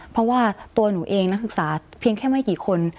เพราะว่าตัวหนูเองนักศึกษาเพียงแค่ไม่กี่คน